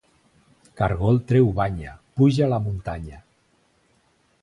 Cargol treu banya, puja a la muntanya